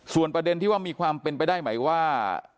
ส่วนประเด็นที่ว่ามีความเป็นไปได้ไหมว่า